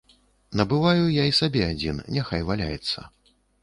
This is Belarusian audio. Набываю я і сабе адзін, няхай валяецца.